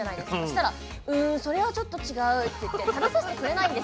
したら「うんそれはちょっと違う」って言って食べさせてくれないんですよ。